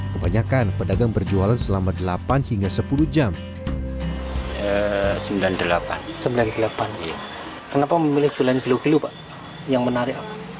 kebanyakan pedagang berjualan selama delapan hingga sepuluh jam